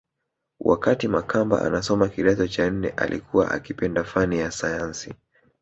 Wakati Makamba anasoma kidato cha nne alikuwa akipenda fani ya sayansi